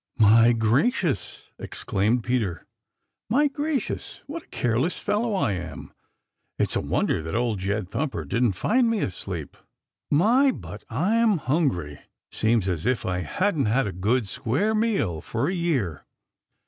"My gracious!" exclaimed Peter. "My gracious, what a careless fellow I am! It's a wonder that Old Jed Thumper didn't find me asleep. My, but I'm hungry! Seems as if I hadn't had a good square meal for a year."